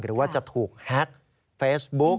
หรือว่าจะถูกแฮ็กเฟซบุ๊ก